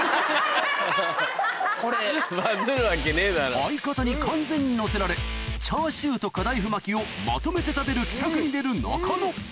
相方に完全に乗せられチャーシューとカダイフ巻きをまとめて食べる奇策に出る中野